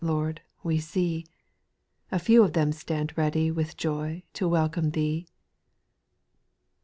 Lord, we see ; And few of them stand ready With joy to welcome Thee.